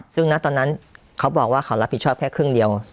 ซึ่งณตอนนั้นเขาบอกว่าเขารับผิดชอบแค่ครึ่งเดียว